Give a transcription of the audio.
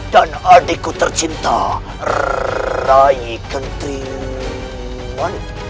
dan adikku tercinta rai kentriman